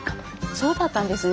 そうだったんですね。